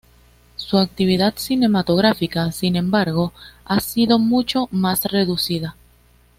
Su actividad cinematográfica, sin embargo, ha sido mucho más reducida.